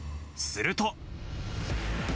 すると。